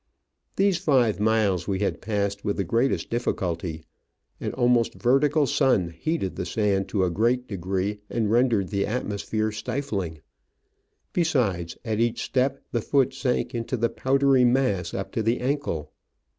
These five miles we had passed with the greatest difficulty : an almost vertical sun heated the sand to a great degree and rendered the atmosphere stifling ; besides, at each step the foot sank into the powdery mass up to the ankle.